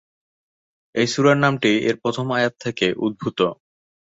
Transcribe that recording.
এই সুরার নাম টি এর প্রথম আয়াত থেকে উদ্ভূত।